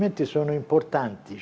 ini adalah hal yang penting